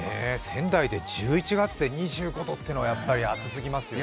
仙台で１１月で２５度っていうのはやっぱり暑すぎますよね。